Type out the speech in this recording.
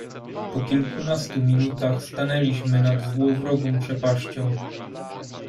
"Po kilkunastu minutach, stanęliśmy nad złowrogą przepaścią."